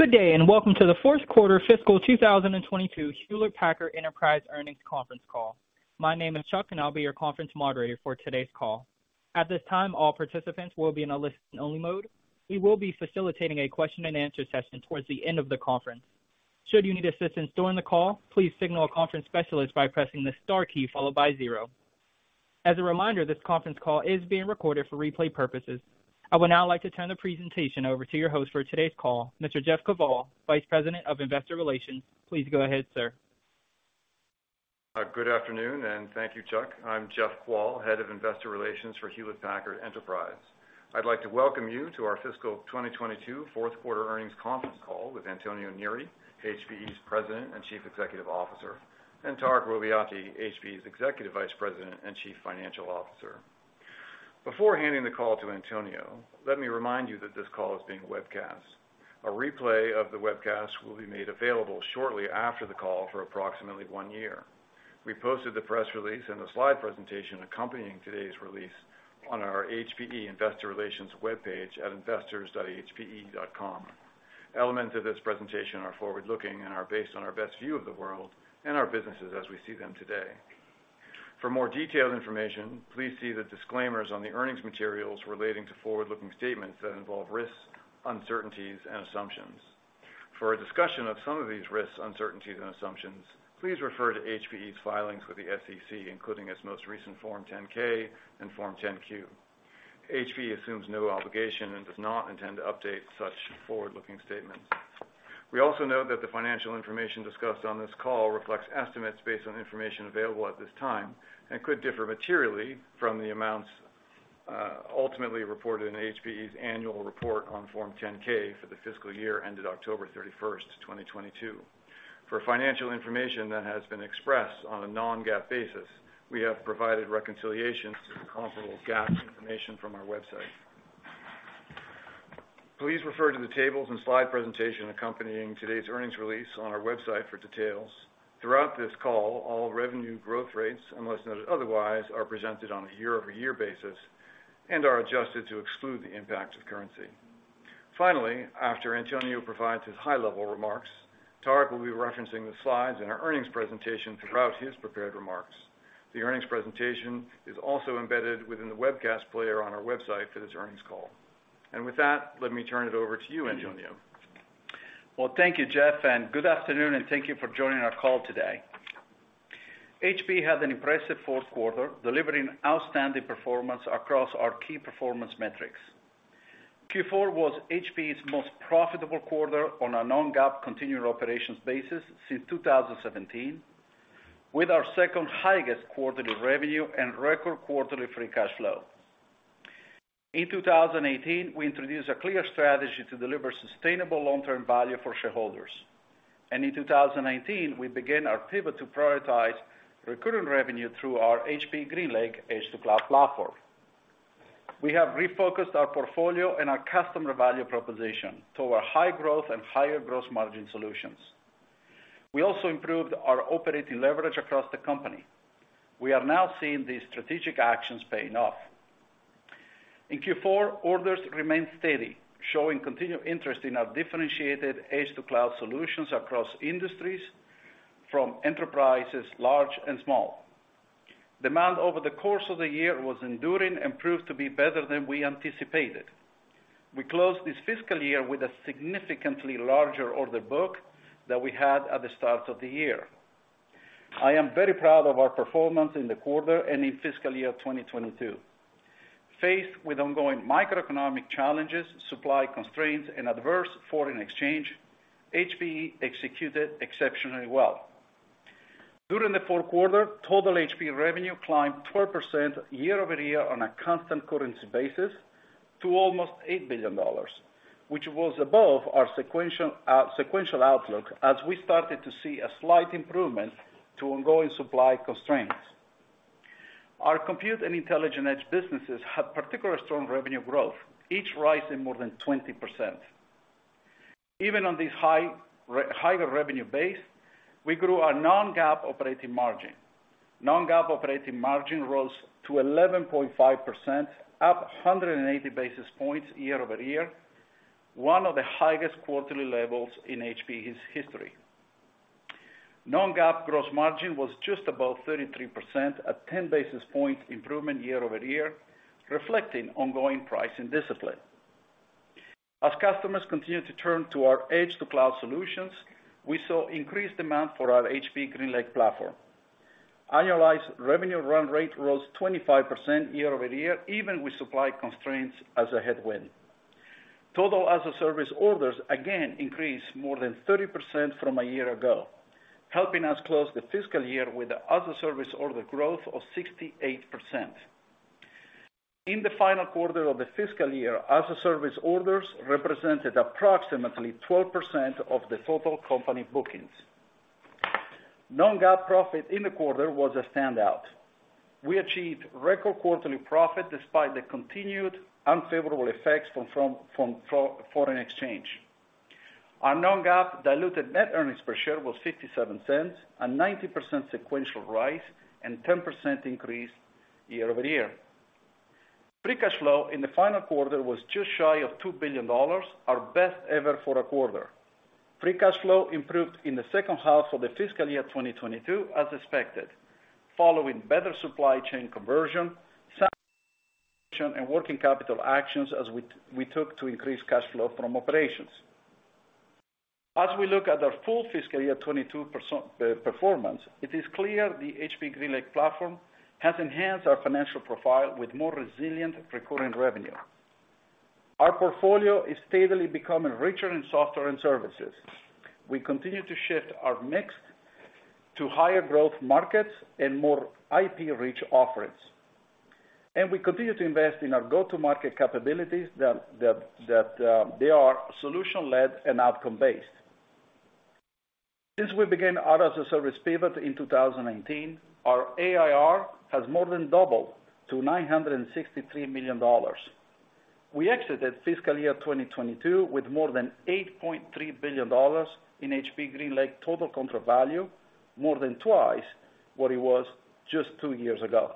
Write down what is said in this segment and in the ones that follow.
Good day. Welcome to the fourth quarter fiscal 2022 Hewlett Packard Enterprise Earnings Conference Call. My name is Chuck. I'll be your conference moderator for today's call. At this time, all participants will be in a listen-only mode. We will be facilitating a question-and-answer session towards the end of the conference. Should you need assistance during the call, please signal a conference specialist by pressing the star key followed by 0. As a reminder, this conference call is being recorded for replay purposes. I would now like to turn the presentation over to your host for today's call, Mr. Jeff Kvaal, Vice President of Investor Relations. Please go ahead, sir. Good afternoon and thank you, Chuck. I'm Jeff Kvaal, Head of Investor Relations for Hewlett Packard Enterprise. I'd like to welcome you to our fiscal 2022 fourth quarter earnings conference call with Antonio Neri, HPE's President and Chief Executive Officer, and Tarek Robbiati, HPE's Executive Vice President and Chief Financial Officer. Before handing the call to Antonio, let me remind you that this call is being webcast. A replay of the webcast will be made available shortly after the call for approximately 1 year. We posted the press release and the slide presentation accompanying today's release on our HPE Investor Relations webpage at investors.hpe.com. Elements of this presentation are forward-looking and are based on our best view of the world and our businesses as we see them today. For more detailed information, please see the disclaimers on the earnings materials relating to forward-looking statements that involve risks, uncertainties and assumptions. For a discussion of some of these risks, uncertainties, and assumptions, please refer to HPE's filings with the SEC, including its most recent Form 10-K and Form 10-Q. HPE assumes no obligation and does not intend to update such forward-looking statements. We also note that the financial information discussed on this call reflects estimates based on information available at this time and could differ materially from the amounts ultimately reported in HPE's annual report on Form 10-K for the fiscal year ended October thirty-first, 2022. For financial information that has been expressed on a non-GAAP basis, we have provided reconciliations to the comparable GAAP information from our website. Please refer to the tables and slide presentation accompanying today's earnings release on our website for details. Throughout this call, all revenue growth rates, unless noted otherwise, are presented on a year-over-year basis and are adjusted to exclude the impact of currency. Finally, after Antonio provides his high-level remarks, Tarek will be referencing the slides in our earnings presentation throughout his prepared remarks. The earnings presentation is also embedded within the webcast player on our website for this earnings call. With that, let me turn it over to you, Antonio. Thank you, Jeff, good afternoon and thank you for joining our call today. HPE had an impressive fourth quarter, delivering outstanding performance across our key performance metrics. Q4 was HPE's most profitable quarter on a non-GAAP continuing operations basis since 2017, with our second-highest quarterly revenue and record quarterly free cash flow. In 2018, we introduced a clear strategy to deliver sustainable long-term value for shareholders. In 2019, we began our pivot to prioritize recurring revenue through our HPE GreenLake Edge-to-Cloud platform. We have refocused our portfolio and our customer value proposition toward high growth and higher gross margin solutions. We also improved our operating leverage across the company. We are now seeing these strategic actions paying off. In Q4, orders remained steady, showing continued interest in our differentiated Edge-to-Cloud solutions across industries from enterprises large and small. Demand over the course of the year was enduring and proved to be better than we anticipated. We closed this fiscal year with a significantly larger order book than we had at the start of the year. I am very proud of our performance in the quarter and in fiscal year 2022. Faced with ongoing microeconomic challenges, supply constraints, and adverse foreign exchange, HPE executed exceptionally well. During the fourth quarter, total HPE revenue climbed 12% year-over-year on a constant currency basis to almost $8 billion, which was above our sequential outlook as we started to see a slight improvement to ongoing supply constraints. Our Compute and Intelligent Edge businesses had particularly strong revenue growth, each rising more than 20%. Even on this higher revenue base, we grew our non-GAAP operating margin. Non-GAAP operating margin rose to 11.5%, up 180 basis points year-over-year, one of the highest quarterly levels in HPE's history. Non-GAAP gross margin was just above 33%, a 10 basis point improvement year-over-year, reflecting ongoing pricing discipline. Customers continued to turn to our Edge-to-Cloud solutions, we saw increased demand for our HPE GreenLake platform. Annualized revenue run rate rose 25% year-over-year, even with supply constraints as a headwind. Total as-a-service orders again increased more than 30% from a year ago, helping us close the fiscal year with as-a-service order growth of 68%. In the final quarter of the fiscal year, as-a-service orders represented approximately 12% of the total company bookings. Non-GAAP profit in the quarter was a standout. We achieved record quarterly profit despite the continued unfavorable effects from foreign exchange. Our non-GAAP diluted net earnings per share was $0.57, a 90% sequential rise, and 10% increase year-over-year. Free cash flow in the final quarter was just shy of $2 billion, our best ever for a quarter. Free cash flow improved in the second half of the fiscal year 2022, as expected, following better supply chain conversion and working capital actions as we took to increase cash flow from operations. We look at our full fiscal year 2022 performance, it is clear the HPE GreenLake platform has enhanced our financial profile with more resilient recurring revenue. Our portfolio is steadily becoming richer in software and services. We continue to shift our mix to higher growth markets and more IP-rich offerings. We continue to invest in our go-to-market capabilities that they are solution-led and outcome-based. Since we began our as-a-service pivot in 2018, our ARR has more than doubled to $963 million. We exited fiscal year 2022 with more than $8.3 billion in HPE GreenLake total contract value, more than twice what it was just 2 years ago.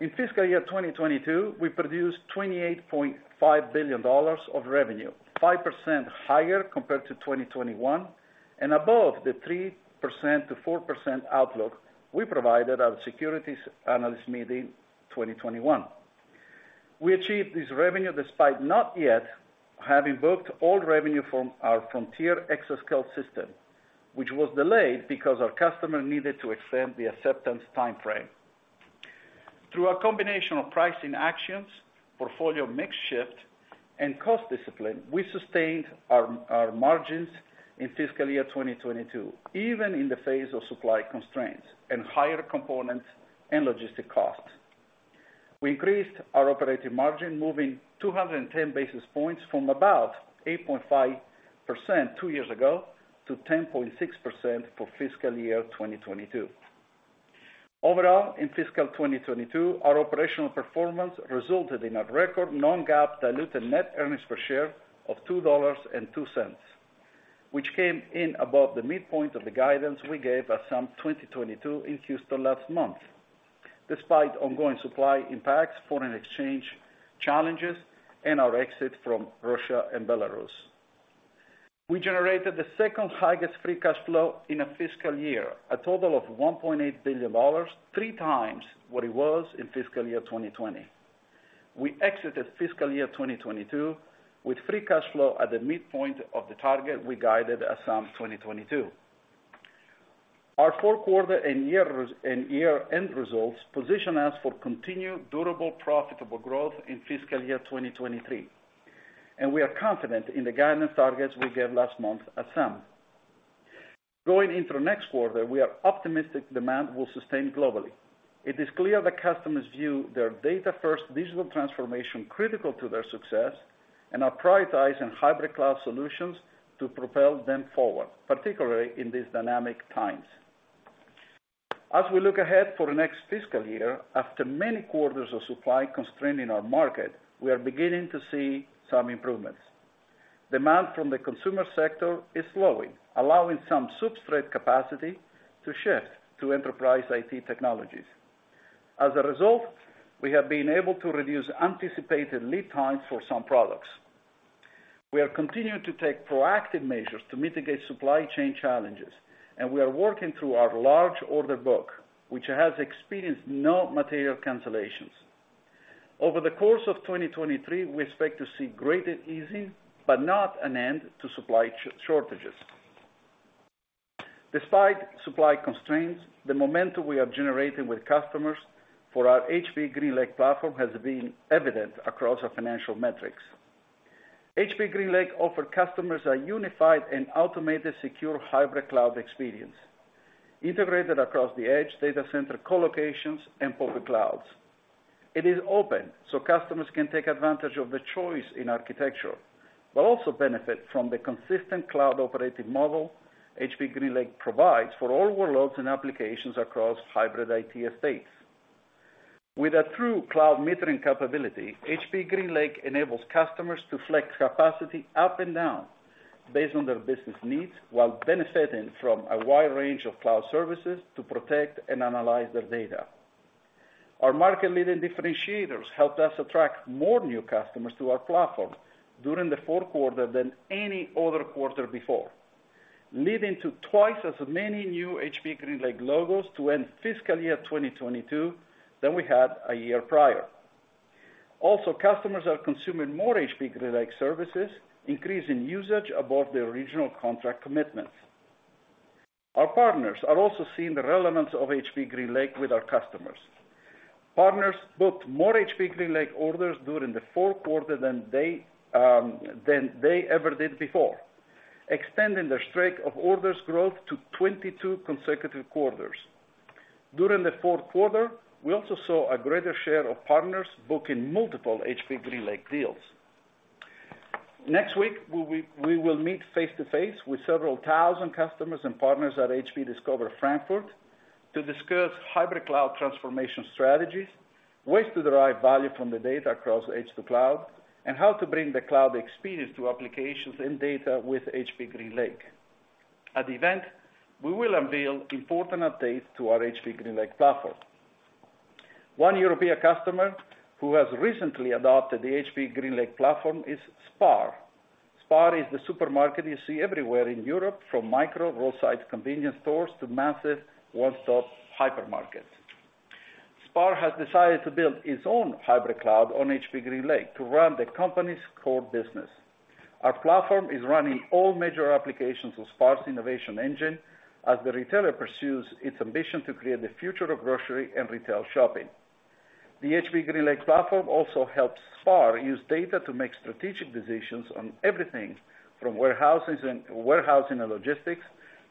In fiscal year 2022, we produced $28.5 billion of revenue, 5% higher compared to 2021, and above the 3%-4% outlook we provided at securities analyst meeting 2021. We achieved this revenue despite not yet having booked all revenue from our Frontier Exascale system, which was delayed because our customer needed to extend the acceptance timeframe. Through a combination of pricing actions, portfolio mix shift, and cost discipline, we sustained our margins in fiscal year 2022, even in the face of supply constraints and higher components and logistic costs. We increased our operating margin, moving 210 basis points from about 8.5% 2 years ago to 10.6% for fiscal year 2022. Overall, in fiscal 2022, our operational performance resulted in a record non-GAAP diluted net earnings per share of $2.02, which came in above the midpoint of the guidance we gave at some 2022 in Houston last month, despite ongoing supply impacts, foreign exchange challenges, and our exit from Russia and Belarus. We generated the second-highest free cash flow in a fiscal year, a total of $1.8 billion, 3 times what it was in fiscal year 2020. We exited fiscal year 2022 with free cash flow at the midpoint of the target we guided as some 2022. Our fourth quarter and year end results position us for continued durable, profitable growth in fiscal year 2023. We are confident in the guidance targets we gave last month at SAM. Going into next quarter, we are optimistic demand will sustain globally. It is clear that customers view their data-first digital transformation critical to their success and are prioritizing hybrid cloud solutions to propel them forward, particularly in these dynamic times. As we look ahead for the next fiscal year, after many quarters of supply constraint in our market, we are beginning to see some improvements. Demand from the consumer sector is slowing, allowing some substrate capacity to shift to enterprise IT technologies. As a result, we have been able to reduce anticipated lead times for some products. We are continuing to take proactive measures to mitigate supply chain challenges, and we are working through our large order book, which has experienced no material cancellations. Over the course of 2023, we expect to see greater easing, but not an end to supply shortages. Despite supply constraints, the momentum we have generated with customers for our HPE GreenLake platform has been evident across our financial metrics. HPE GreenLake offer customers a unified and automated secure hybrid cloud experience integrated across the edge data center collocations and public clouds. It is open, customers can take advantage of the choice in architecture, but also benefit from the consistent cloud operating model HPE GreenLake provides for all workloads and applications across hybrid IT estates. With a true cloud metering capability, HPE GreenLake enables customers to flex capacity up and down based on their business needs while benefiting from a wide range of cloud services to protect and analyze their data. Our market-leading differentiators helped us attract more new customers to our platform during the fourth quarter than any other quarter before, leading to twice as many new HPE GreenLake logos to end fiscal year 2022 than we had a year prior. Customers are consuming more HPE GreenLake services, increasing usage above their original contract commitments. Our partners are also seeing the relevance of HPE GreenLake with our customers. Partners booked more HPE GreenLake orders during the fourth quarter than they ever did before, extending their streak of orders growth to 22 consecutive quarters. During the fourth quarter, we also saw a greater share of partners booking multiple HPE GreenLake deals. Next week, we will meet face-to-face with several thousand customers and partners at HPE Discover Frankfurt to discuss hybrid cloud transformation strategies, ways to derive value from the data across edge-to-cloud, and how to bring the cloud experience to applications and data with HPE GreenLake. At the event, we will unveil important updates to our HPE GreenLake platform. One European customer who has recently adopted the HPE GreenLake platform is SPAR. SPAR is the supermarket you see everywhere in Europe, from micro roadsides convenience stores to massive one-stop hypermarkets. SPAR has decided to build its own hybrid cloud on HPE GreenLake to run the company's core business. Our platform is running all major applications of SPAR's innovation engine as the retailer pursues its ambition to create the future of grocery and retail shopping. The HPE GreenLake platform also helps SPAR use data to make strategic decisions on everything from warehousing and logistics,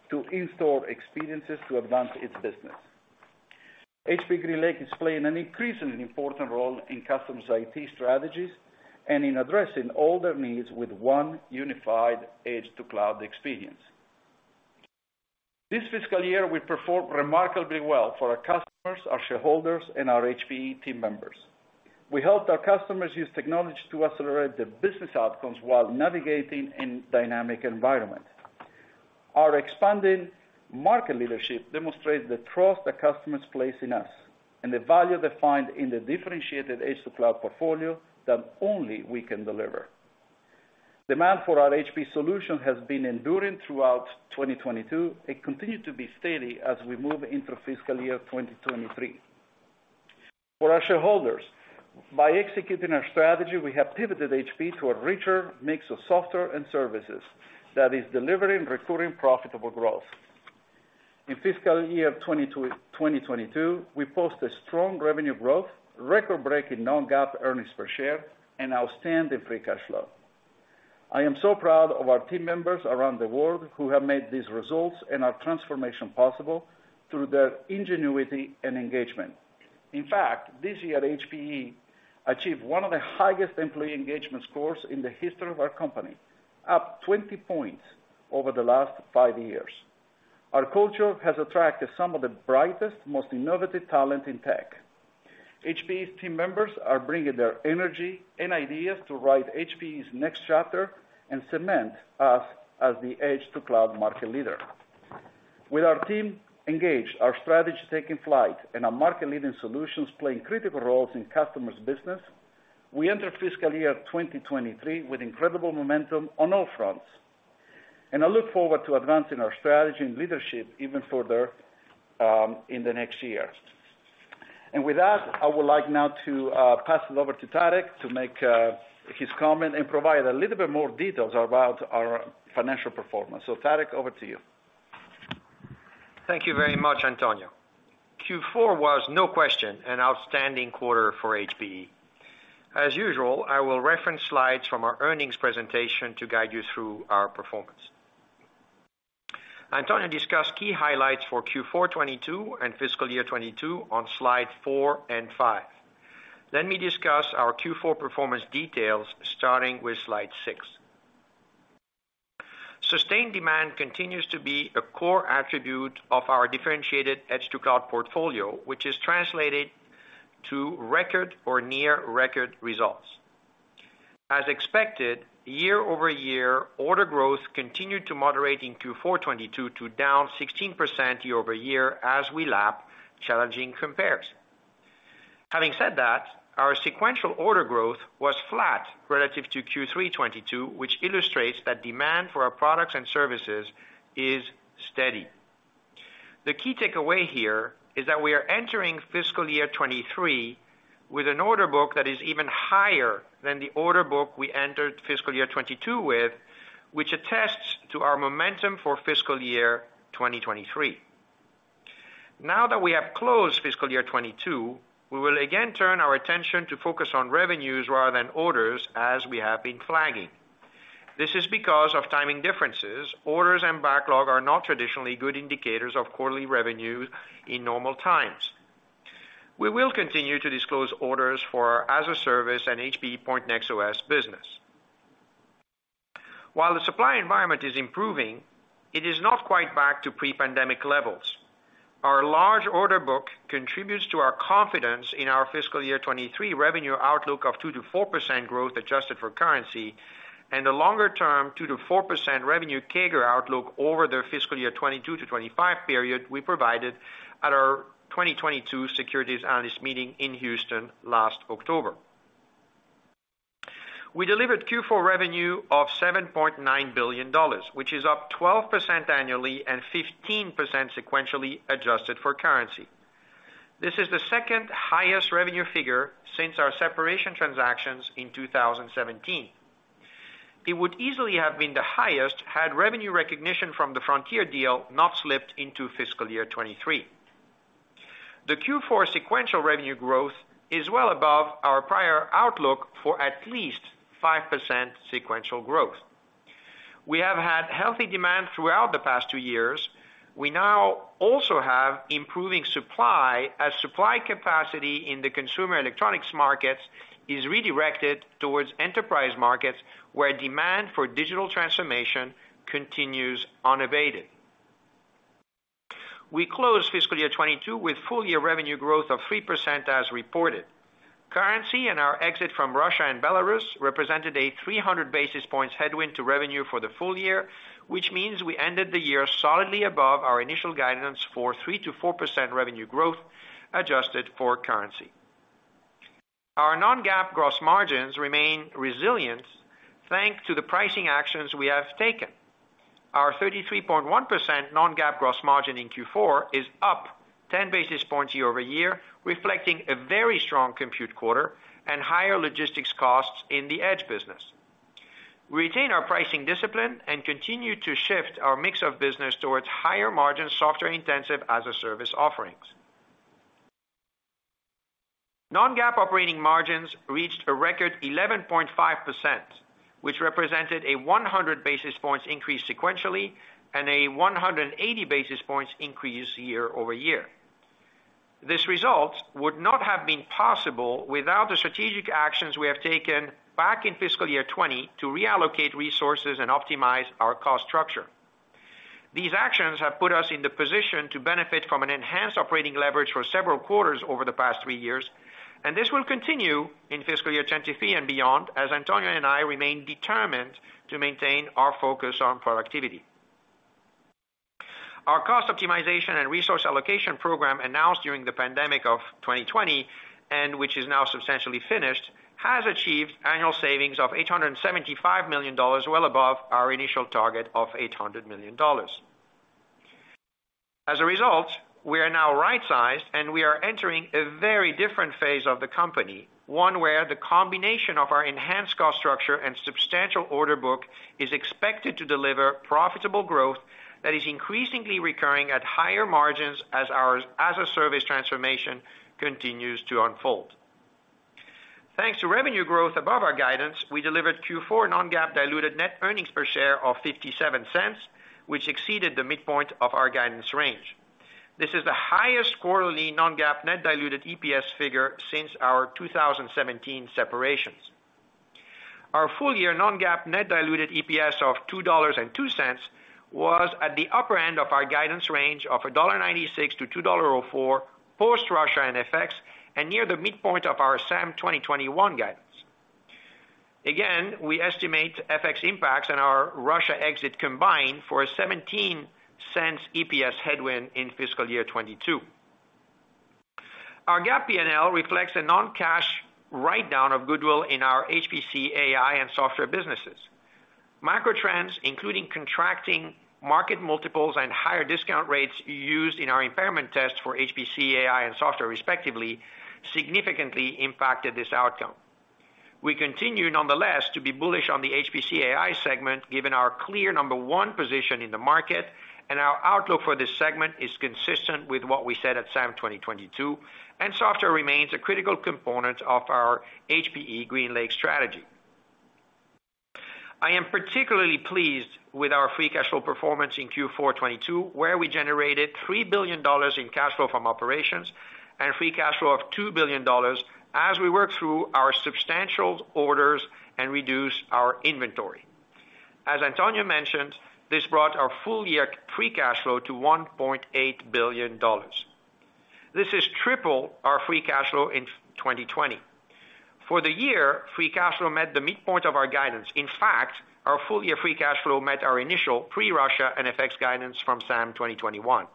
to in-store experiences to advance its business. HPE GreenLake is playing an increasingly important role in customers' IT strategies and in addressing all their needs with one unified edge-to-cloud experience. This fiscal year, we performed remarkably well for our customers, our shareholders, and our HPE team members. We helped our customers use technology to accelerate their business outcomes while navigating in dynamic environment. Our expanding market leadership demonstrates the trust that customers place in us and the value they find in the differentiated edge-to-cloud portfolio that only we can deliver. Demand for our HPE solution has been enduring throughout 2022 and continue to be steady as we move into fiscal year 2023. For our shareholders, by executing our strategy, we have pivoted HPE to a richer mix of software and services that is delivering recurring profitable growth. In fiscal year 2022, we post a strong revenue growth, record-breaking non-GAAP earnings per share, and outstanding free cash flow. I am so proud of our team members around the world who have made these results and our transformation possible through their ingenuity and engagement. In fact, this year HPE achieved one of the highest employee engagement scores in the history of our company, up 20 points over the last 5 years. Our culture has attracted some of the brightest, most innovative talent in tech. HPE's team members are bringing their energy and ideas to write HPE's next chapter and cement us as the edge-to-cloud market leader. With our team engaged, our strategy is taking flight, and our market-leading solutions playing critical roles in customers' business, we enter fiscal year 2023 with incredible momentum on all fronts. I look forward to advancing our strategy and leadership even further in the next year. With that, I would like now to pass it over to Tarek to make his comment and provide a little bit more details about our financial performance. Tarek, over to you. Thank you very much, Antonio. Q4 was, no question, an outstanding quarter for HPE. As usual, I will reference slides from our earnings presentation to guide you through our performance. Antonio discussed key highlights for Q4 2022 and fiscal year 2022 on slide 4 and 5. Let me discuss our Q4 performance details starting with slide 6. Sustained demand continues to be a core attribute of our differentiated edge-to-cloud portfolio, which is translated to record or near record results. As expected, year-over-year, order growth continued to moderate in Q4 2022 to down 16% year-over-year as we lap challenging compares. Having said that, our sequential order growth was flat relative to Q3 2022, which illustrates that demand for our products and services is steady. The key takeaway here is that we are entering fiscal year 2023 with an order book that is even higher than the order book we entered fiscal year 2022 with, which attests to our momentum for fiscal year 2023. Now that we have closed fiscal year 2022, we will again turn our attention to focus on revenues rather than orders as we have been flagging. This is because of timing differences. Orders and backlog are not traditionally good indicators of quarterly revenue in normal times. We will continue to disclose orders for our Azure service and HPE Pointnext OS business. While the supply environment is improving, it is not quite back to pre-pandemic levels. Our large order book contributes to our confidence in our fiscal year 2023 revenue outlook of 2%-4% growth adjusted for currency. A longer term, 2%-4% revenue CAGR outlook over the fiscal year 2022-2025 period we provided at our 2022 securities analyst meeting in Houston last October. We delivered Q4 revenue of $7.9 billion, which is up 12% annually and 15% sequentially adjusted for currency. This is the second highest revenue figure since our separation transactions in 2017. It would easily have been the highest had revenue recognition from the Frontier deal not slipped into fiscal year 2023. The Q4 sequential revenue growth is well above our prior outlook for at least 5% sequential growth. We have had healthy demand throughout the past 2 years. We now also have improving supply as supply capacity in the consumer electronics markets is redirected towards enterprise markets, where demand for digital transformation continues unabated. We closed fiscal year 2022 with full year revenue growth of 3% as reported. Currency and our exit from Russia and Belarus represented a 300 basis points headwind to revenue for the full year, which means we ended the year solidly above our initial guidance for 3%-4% revenue growth adjusted for currency. Our non-GAAP gross margins remain resilient thanks to the pricing actions we have taken. Our 33.1% non-GAAP gross margin in Q4 is up 10 basis points year-over-year, reflecting a very strong compute quarter and higher logistics costs in the Edge business. We retain our pricing discipline and continue to shift our mix of business towards higher margin software intensive as-a-service offerings. Non-GAAP operating margins reached a record 11.5%, which represented a 100 basis points increase sequentially and a 180 basis points increase year-over-year. This result would not have been possible without the strategic actions we have taken back in fiscal year 2020 to reallocate resources and optimize our cost structure. This will continue in fiscal year 2023 and beyond, as Antonio and I remain determined to maintain our focus on productivity. Our cost optimization and resource allocation program announced during the pandemic of 2020, which is now substantially finished, has achieved annual savings of $875 million, well above our initial target of $800 million. As a result, we are now right-sized, and we are entering a very different phase of the company, one where the combination of our enhanced cost structure and substantial order book is expected to deliver profitable growth that is increasingly recurring at higher margins as our as-a-service transformation continues to unfold. Thanks to revenue growth above our guidance, we delivered Q4 non-GAAP diluted net earnings per share of $0.57, which exceeded the midpoint of our guidance range. This is the highest quarterly non-GAAP net diluted EPS figure since our 2017 separations. Our full year non-GAAP net diluted EPS of $2.02 was at the upper end of our guidance range of $1.96-$2.04 post Russia and FX, and near the midpoint of our SAM 2021 guidance. We estimate FX impacts and our Russia exit combined for a $0.17 EPS headwind in fiscal year 2022. Our GAAP P&L reflects a non-cash write down of goodwill in our HPC, AI, and software businesses. Macro trends, including contracting market multiples and higher discount rates used in our impairment test for HPC, AI, and software respectively, significantly impacted this outcome. We continue, nonetheless, to be bullish on the HPC/AI segment, given our clear number one position in the market, and our outlook for this segment is consistent with what we said at SAM 2022. Software remains a critical component of our HPE GreenLake strategy. I am particularly pleased with our free cash flow performance in Q4 2022, where we generated $3 billion in cash flow from operations and free cash flow of $2 billion as we work through our substantial orders and reduce our inventory. As Antonio mentioned, this brought our full year free cash flow to $1.8 billion. This is triple our free cash flow in 2020. For the year, free cash flow met the midpoint of our guidance. In fact, our full year free cash flow met our initial pre-Russia and FX guidance from SAM 2021.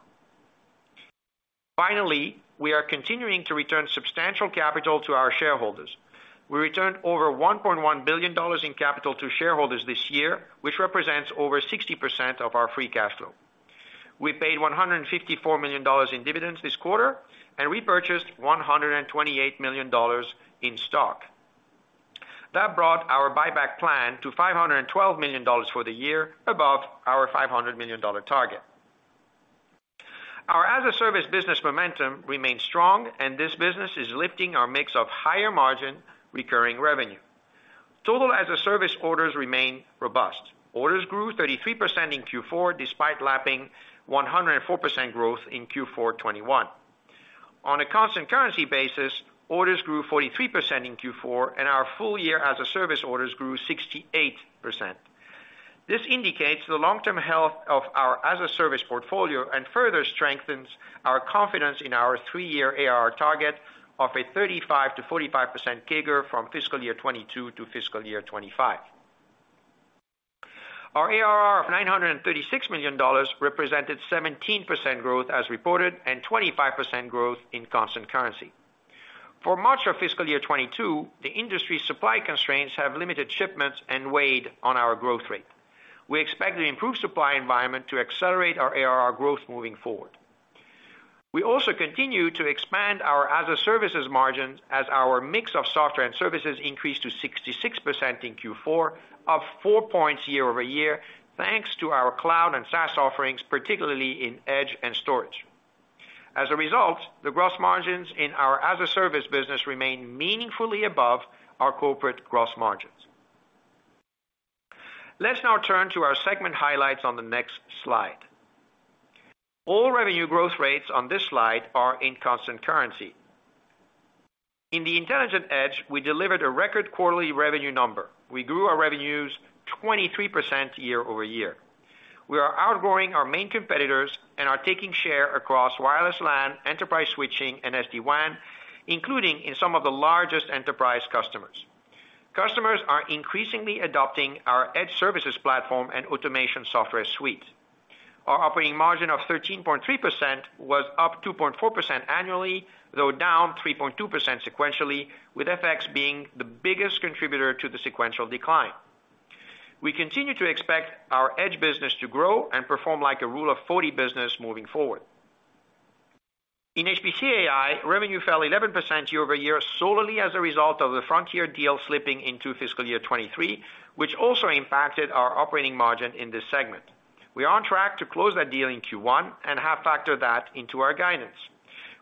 We are continuing to return substantial capital to our shareholders. We returned over $1.1 billion in capital to shareholders this year, which represents over 60% of our free cash flow. We paid $154 million in dividends this quarter and repurchased $128 million in stock. That brought our buyback plan to $512 million for the year, above our $500 million target. Our as-a-service business momentum remains strong, and this business is lifting our mix of higher margin recurring revenue. Total as-a-service orders remain robust. Orders grew 33% in Q4, despite lapping 104% growth in Q4 2021. On a constant currency basis, orders grew 43% in Q4, and our full year as-a-service orders grew 68%. This indicates the long-term health of our as-a-service portfolio and further strengthens our confidence in our 3 year ARR target of a 35%-45% CAGR from fiscal year 2022 to fiscal year 2025. Our ARR of $936 million represented 17% growth as reported and 25% growth in constant currency. For much of fiscal year 2022, the industry supply constraints have limited shipments and weighed on our growth rate. We expect an improved supply environment to accelerate our ARR growth moving forward. We also continue to expand our as a services margins as our mix of software and services increased to 66% in Q4, up 4 points year-over-year, thanks to our cloud and SaaS offerings, particularly in Edge and storage. As a result, the gross margins in our as a service business remain meaningfully above our corporate gross margins. Let's now turn to our segment highlights on the next slide. All revenue growth rates on this slide are in constant currency. In the Intelligent Edge, we delivered a record quarterly revenue number. We grew our revenues 23% year-over-year. We are outgrowing our main competitors and are taking share across wireless LAN, enterprise switching, and SD-WAN, including in some of the largest enterprise customers. Customers are increasingly adopting our edge services platform and automation software suite. Our operating margin of 13.3% was up 2.4% annually, though down 3.2% sequentially, with FX being the biggest contributor to the sequential decline. We continue to expect our edge business to grow and perform like a Rule of 40 business moving forward. In HPC/AI, revenue fell 11% year-over-year solely as a result of the Frontier deal slipping into fiscal year 2023, which also impacted our operating margin in this segment. We are on track to close that deal in Q1 and have factored that into our guidance.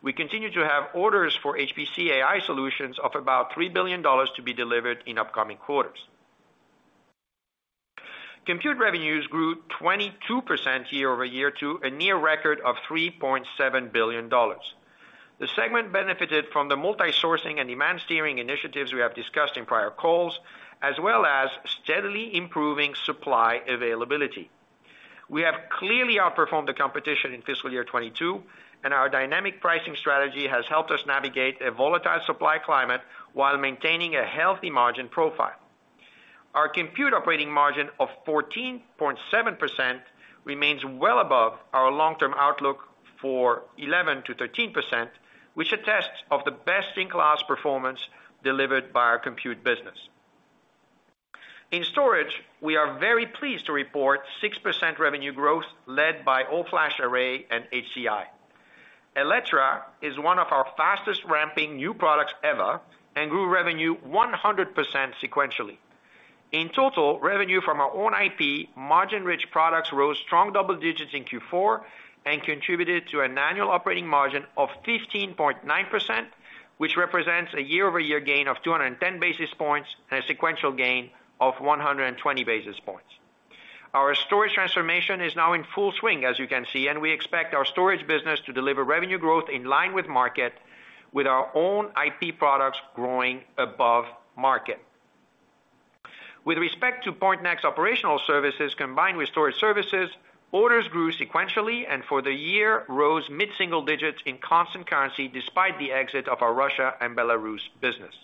We continue to have orders for HPC/AI solutions of about $3 billion to be delivered in upcoming quarters. Compute revenues grew 22% year-over-year to a near record of $3.7 billion. The segment benefited from the multi-sourcing and demand steering initiatives we have discussed in prior calls, as well as steadily improving supply availability. We have clearly outperformed the competition in fiscal year 2022, and our dynamic pricing strategy has helped us navigate a volatile supply climate while maintaining a healthy margin profile. Our compute operating margin of 14.7% remains well above our long-term outlook for 11%-13%, which attests of the best-in-class performance delivered by our compute business. In storage, we are very pleased to report 6% revenue growth led by All-Flash Array and HCI. Electra is one of our fastest ramping new products ever and grew revenue 100% sequentially. In total, revenue from our own IP margin-rich products rose strong double digits in Q4 and contributed to an annual operating margin of 15.9%, which represents a year-over-year gain of 210 basis points and a sequential gain of 120 basis points. Our storage transformation is now in full swing, as you can see, we expect our storage business to deliver revenue growth in line with market with our own IP products growing above market. With respect to Pointnext Operational Services combined with storage services, orders grew sequentially and for the year rose mid-single digits in constant currency despite the exit of our Russia and Belarus business.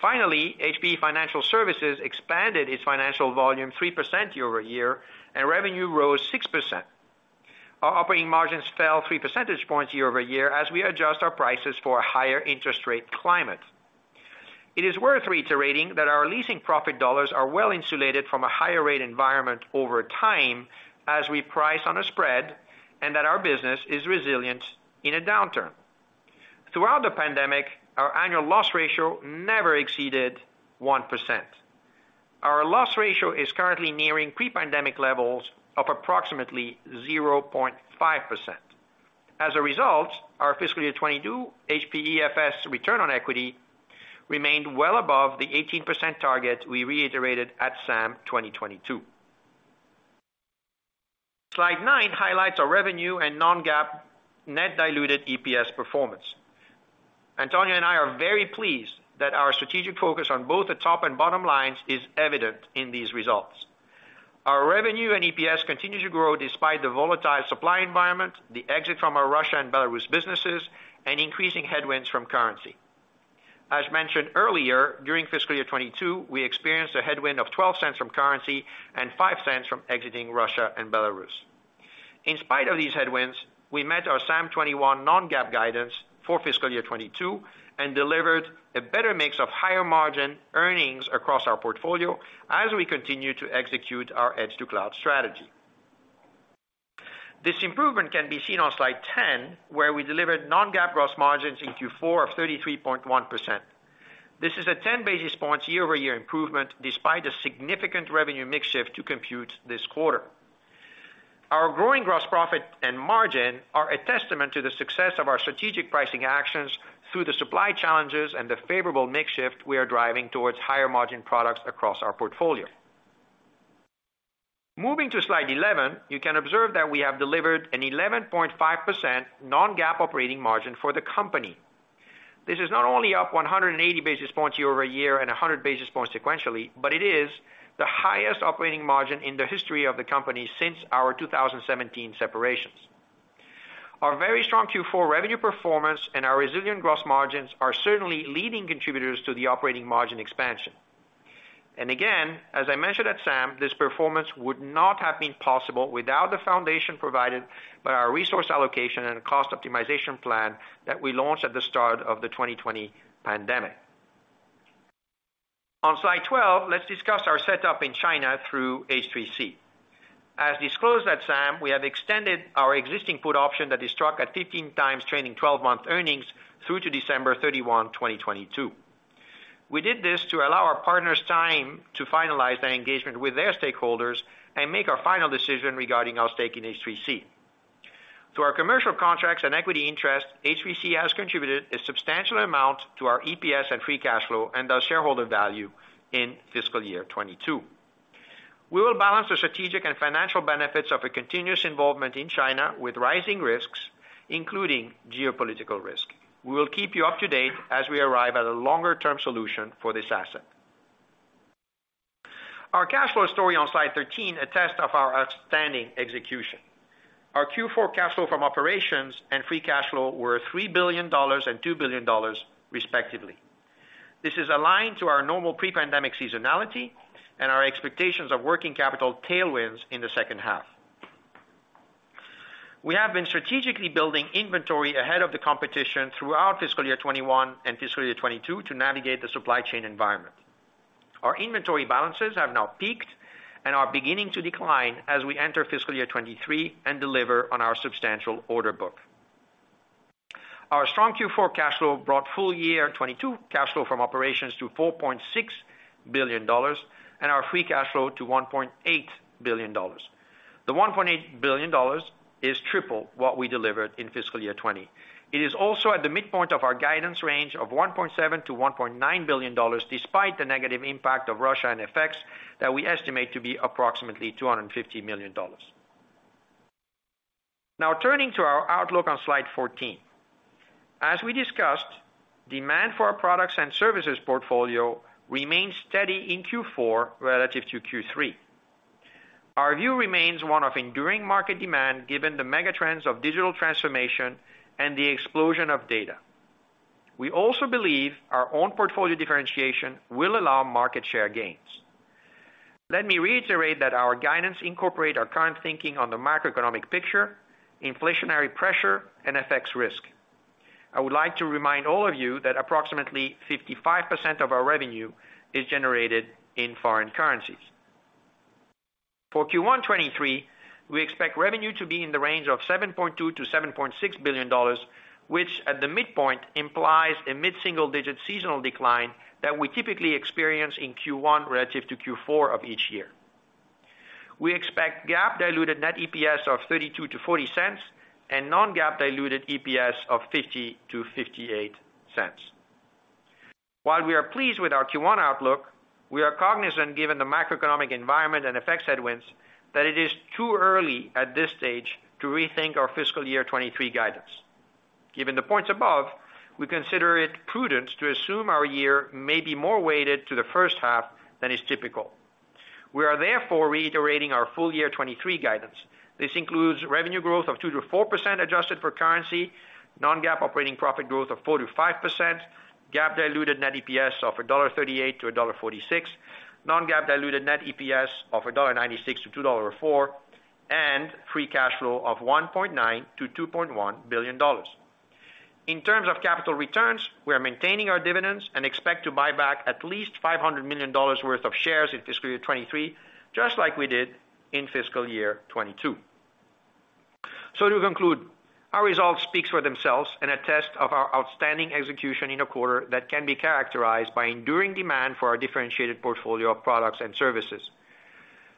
Finally, HPE Financial Services expanded its financial volume 3% year-over-year, and revenue rose 6%. Our operating margins fell 3 percentage points year-over-year as we adjust our prices for a higher interest rate climate. It is worth reiterating that our leasing profit dollars are well-insulated from a higher rate environment over time as we price on a spread and that our business is resilient in a downturn. Throughout the pandemic, our annual loss ratio never exceeded 1%. Our loss ratio is currently nearing pre-pandemic levels of approximately 0.5%. As a result, our fiscal year 2022 HPE FS return on equity remained well above the 18% target we reiterated at SAM 2022. Slide 9 highlights our revenue and non-GAAP net diluted EPS performance. Antonio and I are very pleased that our strategic focus on both the top and bottom lines is evident in these results. Our revenue and EPS continue to grow despite the volatile supply environment, the exit from our Russia and Belarus businesses, and increasing headwinds from currency. As mentioned earlier, during fiscal year 2022, we experienced a headwind of $0.12 from currency and $0.05 from exiting Russia and Belarus. In spite of these headwinds, we met our SAM '21 non-GAAP guidance for fiscal year 2022 and delivered a better mix of higher margin earnings across our portfolio as we continue to execute our edge-to-cloud strategy. This improvement can be seen on slide 10, where we delivered non-GAAP gross margins in Q4 of 33.1%. This is a 10 basis points year-over-year improvement despite a significant revenue mix shift to compute this quarter. Our growing gross profit and margin are a testament to the success of our strategic pricing actions through the supply challenges and the favorable mix shift we are driving towards higher margin products across our portfolio. Moving to slide 11, you can observe that we have delivered an 11.5% non-GAAP operating margin for the company. This is not only up 180 basis points year-over-year and 100 basis points sequentially, but it is the highest operating margin in the history of the company since our 2017 separations. Our very strong Q4 revenue performance and our resilient gross margins are certainly leading contributors to the operating margin expansion. Again, as I mentioned at SAM, this performance would not have been possible without the foundation provided by our resource allocation and cost optimization plan that we launched at the start of the 2020 pandemic. On slide 12, let's discuss our setup in China through H3C. As disclosed at SAM, we have extended our existing put option that is struck at 15 times trading 12-month earnings through to December 31, 2022. We did this to allow our partners time to finalize their engagement with their stakeholders and make our final decision regarding our stake in H3C. Through our commercial contracts and equity interest, H3C has contributed a substantial amount to our EPS and free cash flow and our shareholder value in fiscal year 2022. We will balance the strategic and financial benefits of a continuous involvement in China with rising risks, including geopolitical risk. We will keep you up to date as we arrive at a longer-term solution for this asset. Our cash flow story on slide 13, a test of our outstanding execution. Our Q4 cash flow from operations and free cash flow were $3 billion and $2 billion, respectively. This is aligned to our normal pre-pandemic seasonality and our expectations of working capital tailwinds in the second half. We have been strategically building inventory ahead of the competition throughout fiscal year 2021 and fiscal year 2022 to navigate the supply chain environment. Our inventory balances have now peaked and are beginning to decline as we enter fiscal year 2023 and deliver on our substantial order book. Our strong Q4 cash flow brought full year 2022 cash flow from operations to $4.6 billion and our free cash flow to $1.8 billion. The $1.8 billion is triple what we delivered in fiscal year 2020. It is also at the midpoint of our guidance range of $1.7 billion-$1.9 billion, despite the negative impact of Russia and effects that we estimate to be approximately $250 million. Now, turning to our outlook on slide 14. As we discussed, demand for our products and services portfolio remains steady in Q4 relative to Q3. Our view remains one of enduring market demand, given the mega trends of digital transformation and the explosion of data. We also believe our own portfolio differentiation will allow market share gains. Let me reiterate that our guidance incorporate our current thinking on the macroeconomic picture, inflationary pressure, and FX risk. I would like to remind all of you that approximately 55% of our revenue is generated in foreign currencies. For Q1 2023, we expect revenue to be in the range of $7.2 billion-$7.6 billion, which at the midpoint implies a mid-single digit seasonal decline that we typically experience in Q1 relative to Q4 of each year. We expect GAAP diluted net EPS of $0.32-$0.40 and non-GAAP diluted EPS of $0.50-$0.58. While we are pleased with our Q1 outlook, we are cognizant, given the macroeconomic environment and effects headwinds, that it is too early at this stage to rethink our fiscal year 2023 guidance. Given the points above, we consider it prudent to assume our year may be more weighted to the first half than is typical. We are therefore reiterating our full year 2023 guidance. This includes revenue growth of 2%-4% adjusted for currency, non-GAAP operating profit growth of 4%-5%, GAAP diluted net EPS of $1.38-$1.46, non-GAAP diluted net EPS of $1.96-$2.04, and free cash flow of $1.9 billion-$2.1 billion. In terms of capital returns, we are maintaining our dividends and expect to buy back at least $500 million worth of shares in fiscal year 2023, just like we did in fiscal year 2022. To conclude, our results speaks for themselves and a test of our outstanding execution in a quarter that can be characterized by enduring demand for our differentiated portfolio of products and services.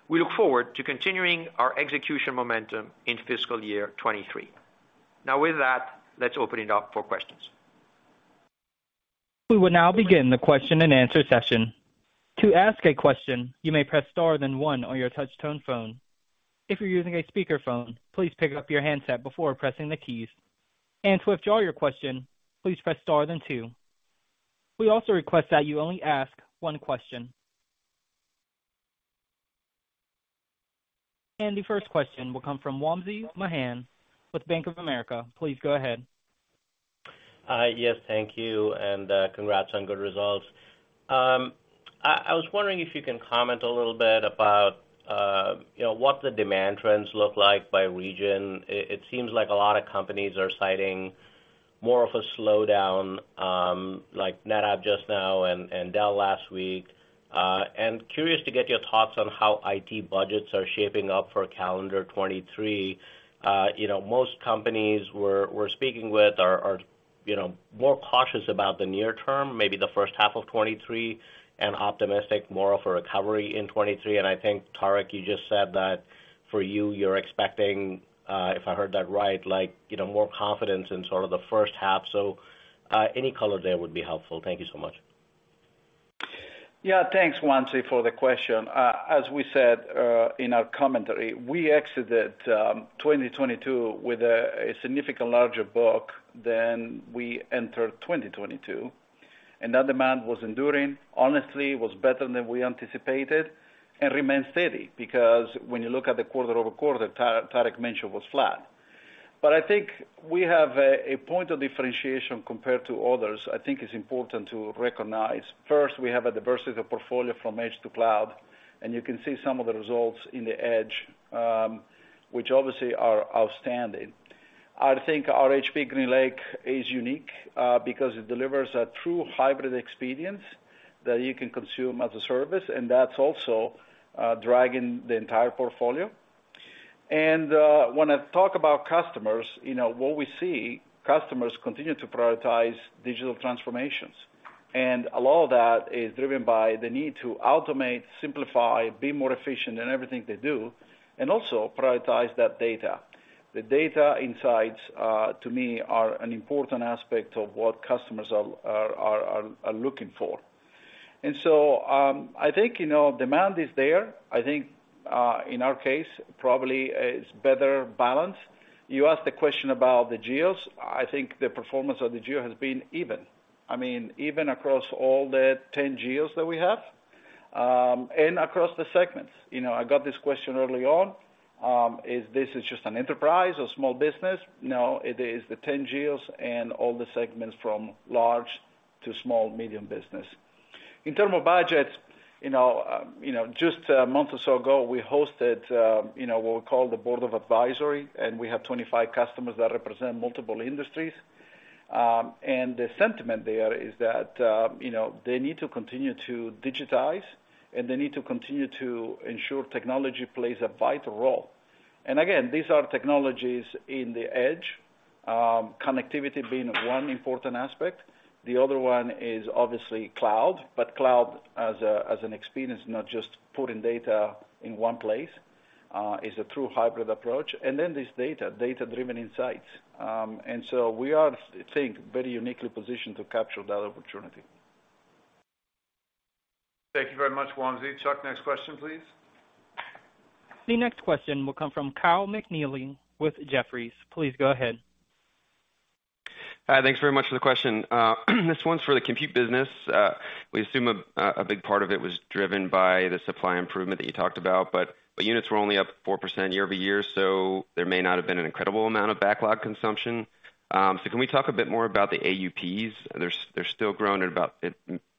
We look forward to continuing our execution momentum in fiscal year 2023. With that, let's open it up for questions. We will now begin the question and answer session. To ask a question, you may press star then one on your touch tone phone. If you're using a speakerphone, please pick up your handset before pressing the keys. To withdraw your question, please press star then two. We also request that you only ask one question. The first question will come from Wamsi Mohan with Bank of America. Please go ahead. Yes, thank you, congrats on good results. I was wondering if you can comment a little bit about, you know, what the demand trends look like by region. It seems like a lot of companies are citing more of a slowdown, like NetApp just now, Dell last week. Curious to get your thoughts on how IT budgets are shaping up for calendar 2023. You know, most companies we're speaking with are, you know, more cautious about the near term, maybe the first half of 2023, optimistic more of a recovery in 2023. I think, Tarek, you just said that for you're expecting, if I heard that right, like, you know, more confidence in sort of the first half. Any color there would be helpful. Thank you so much. Yeah. Thanks, Wamsi, for the question. As we said in our commentary, we exited 2022 with a significant larger book than we entered 2022. That demand was enduring, honestly, was better than we anticipated and remains steady because when you look at the quarter-over-quarter, Tarek mentioned was flat. I think we have a point of differentiation compared to others I think is important to recognize. First, we have a diversity of portfolio from edge-to-cloud, and you can see some of the results in the Intelligent Edge, which obviously are outstanding. I think our HPE GreenLake is unique, because it delivers a true hybrid experience that you can consume as a service, and that's also driving the entire portfolio. When I talk about customers, you know, what we see, customers continue to prioritize digital transformations. A lot of that is driven by the need to automate, simplify, be more efficient in everything they do, and also prioritize that data. The data insights to me are an important aspect of what customers are looking for. I think, you know, demand is there. I think, in our case, probably it's better balanced. You asked the question about the geos. I think the performance of the geo has been even. I mean, even across all the 10 geos that we have, and across the segments. You know, I got this question early on, is this is just an enterprise or small business? No, it is the 10 geos and all the segments from large to small, medium business. In terms of budget, you know, just a month or so ago, we hosted, what we call the board of advisory, and we have 25 customers that represent multiple industries. The sentiment there is that, you know, they need to continue to digitize, and they need to continue to ensure technology plays a vital role. Again, these are technologies in the edge, connectivity being one important aspect. The other one is obviously cloud, but cloud as an experience, not just putting data in one place, is a true hybrid approach. Data-driven insights. We are, I think, very uniquely positioned to capture that opportunity. Thank you very much, Wamsi. Chuck, next question, please. The next question will come from Kyle McNealy with Jefferies. Please go ahead. Hi, thanks very much for the question. This one's for the Compute business. We assume a big part of it was driven by the supply improvement that you talked about, but units were only up 4% year-over-year, there may not have been an incredible amount of backlog consumption. Can we talk a bit more about the AUPs? They're still growing at about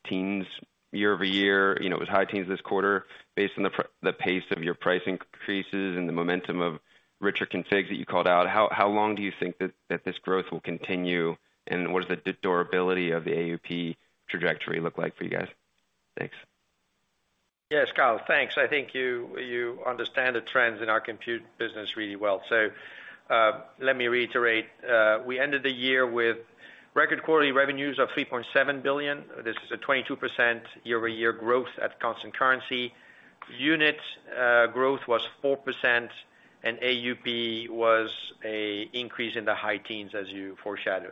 teens year-over-year. You know, it was high teens this quarter. Based on the pace of your pricing increases and the momentum of richer configs that you called out, how long do you think that this growth will continue, and what does the durability of the AUP trajectory look like for you guys? Thanks. Yes, Kyle, thanks. I think you understand the trends in our Compute business really well. Let me reiterate. We ended the year with record quarterly revenues of $3.7 billion. This is a 22% year-over-year growth at constant currency. Unit growth was 4%, AUP was a increase in the high teens, as you foreshadowed.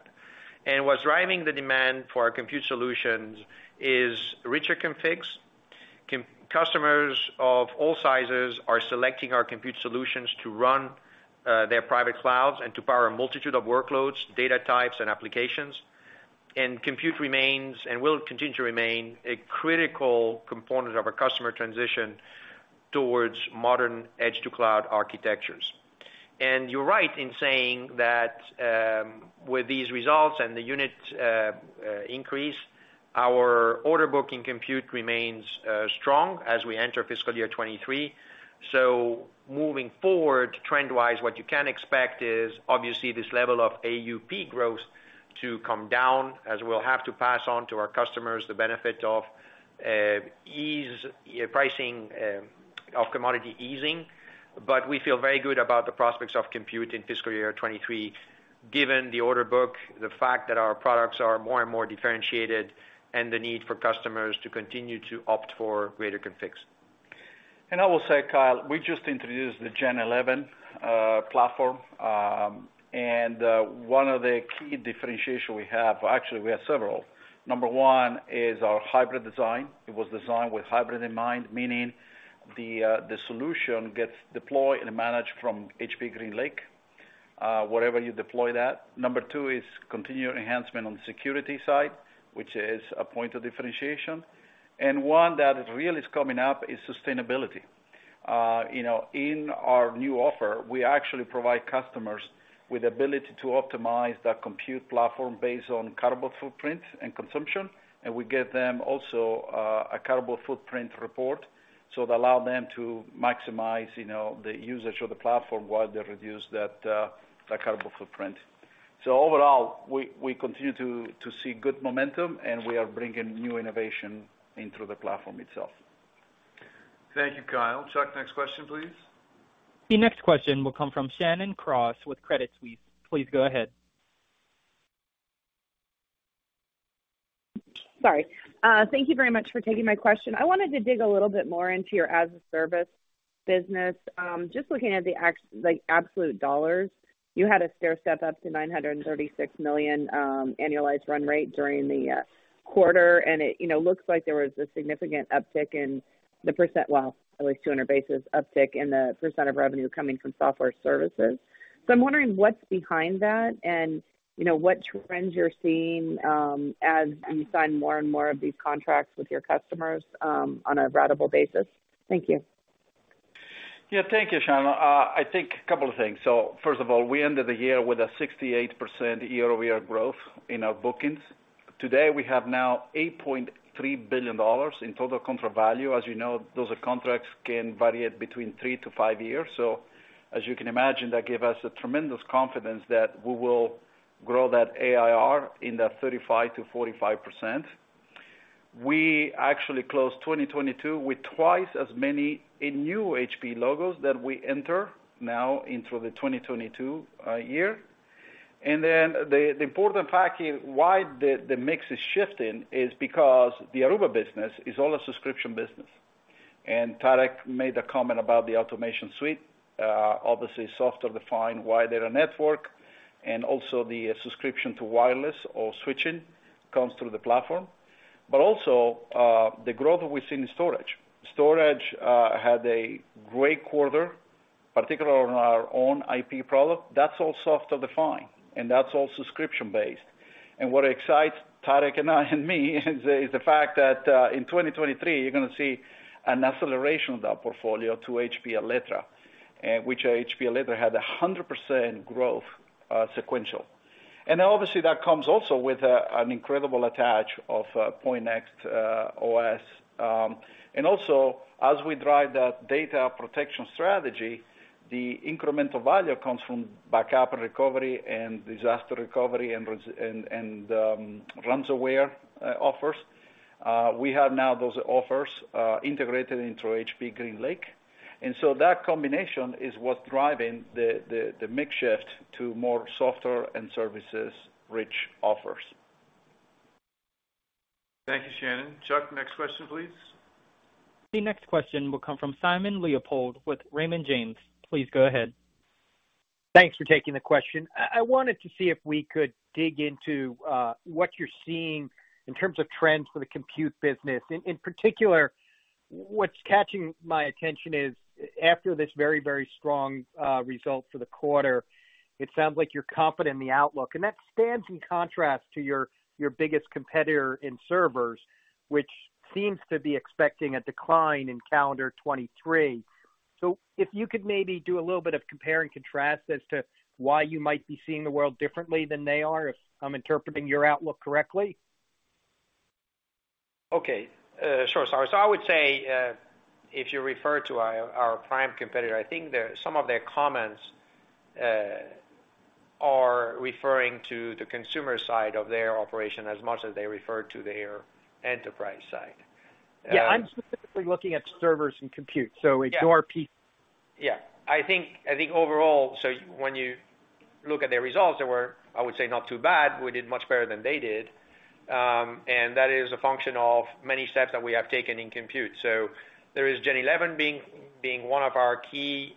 What's driving the demand for our Compute solutions is richer configs. Customers of all sizes are selecting our Compute solutions to run their private clouds and to power a multitude of workloads, data types and applications. Compute remains and will continue to remain a critical component of our customer transition towards modern edge-to-cloud architectures. You're right in saying that, with these results and the unit increase, our order booking Compute remains strong as we enter fiscal year 2023. Moving forward, trend-wise, what you can expect is obviously this level of AUP growth to come down, as we'll have to pass on to our customers the benefit of ease, pricing, of commodity easing. We feel very good about the prospects of Compute in fiscal year 2023, given the order book, the fact that our products are more and more differentiated, and the need for customers to continue to opt for greater configs. I will say, Kyle, we just introduced the Gen11 platform, one of the key differentiation we have, actually we have several. Number 1 is our hybrid design. It was designed with hybrid in mind, meaning the solution gets deployed and managed from HPE GreenLake wherever you deploy that. Number 2 is continued enhancement on the security side, which is a point of differentiation. One that really is coming up is sustainability. You know, in our new offer, we actually provide customers with the ability to optimize their Compute platform based on carbon footprint and consumption, and we give them also a carbon footprint report, so it allow them to maximize, you know, the usage of the platform while they reduce that carbon footprint. Overall, we continue to see good momentum, and we are bringing new innovation into the platform itself. Thank you, Kyle. Chuck, next question, please. The next question will come from Shannon Cross with Credit Suisse. Please go ahead. Sorry. thank you very much for taking my question. I wanted to dig a little bit more into your as-a-service business. just looking at the like absolute dollars, you had a stair step up to $936 million, annualized run rate during the quarter, and it, you know, looks like there was a significant uptick in the %... well, at least 200 basis uptick in the % of revenue coming from software services. I'm wondering what's behind that and, you know, what trends you're seeing, as you sign more and more of these contracts with your customers, on a ratable basis. Thank you. Thank you, Shannon. I think a couple of things. First of all, we ended the year with a 68% year-over-year growth in our bookings. Today, we have now $8.3 billion in total contract value. As you know, those contracts can vary between 3-5 years. As you can imagine, that gave us a tremendous confidence that we will grow that ARR in that 35%-45%. We actually closed 2022 with twice as many new HPE logos that we enter now into the 2022 year. The important factor why the mix is shifting is because the Aruba business is all a subscription business. Tarek made a comment about the automation suite. Obviously, software defined wide area network and also the subscription to wireless or switching comes through the platform. Also, the growth we've seen in storage. Storage had a great quarter, particularly on our own IP product. That's all software defined, and that's all subscription-based. What excites Tarek and I and me is the fact that in 2023, you're gonna see an acceleration of that portfolio to HPE Alletra, which HPE Alletra had a 100% growth sequential. Obviously, that comes also with an incredible attach of Pointnext OS. Also, as we drive that data protection strategy, the incremental value comes from backup and recovery and disaster recovery and ransomware offers. We have now those offers integrated into HPE GreenLake. That combination is what's driving the mix shift to more software and services rich offers. Thank you, Shannon. Chuck, next question, please. The next question will come from Simon Leopold with Raymond James. Please go ahead. Thanks for taking the question. I wanted to see if we could dig into what you're seeing in terms of trends for the compute business. In particular, what's catching my attention is, after this very strong result for the quarter, it sounds like you're confident in the outlook. That stands in contrast to your biggest competitor in servers, which seems to be expecting a decline in calendar 23. If you could maybe do a little bit of compare and contrast as to why you might be seeing the world differently than they are, if I'm interpreting your outlook correctly. Okay. Sure, Simon. I would say, if you refer to our prime competitor, I think some of their comments are referring to the consumer side of their operation as much as they refer to their enterprise side. Yeah, I'm specifically looking at servers and compute, so ignore p-. Yeah. I think overall, when you look at their results, they were, I would say, not too bad. We did much better than they did. That is a function of many steps that we have taken in compute. There is Gen11 being one of our key